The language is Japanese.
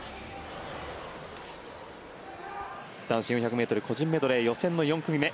男子４００ｍ個人メドレー予選の４組目。